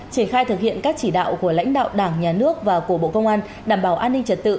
triển khai thực hiện các chỉ đạo của lãnh đạo đảng nhà nước và của bộ công an đảm bảo an ninh trật tự